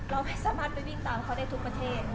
เราไม่สามารถไปวิ่งตามเขาได้ทุกประเทศ